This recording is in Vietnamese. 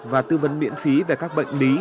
và tư vấn miễn phí về các bệnh lý